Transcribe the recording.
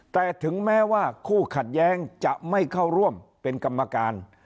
แต่ถึงแม้ว่าคู่ขัดแย้งจะไม่เข้าร่วมเป็นกรรมการ